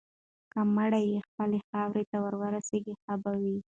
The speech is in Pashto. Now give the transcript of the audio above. که مړی یې خپلې خاورې ته ورسیږي، ښه به وي.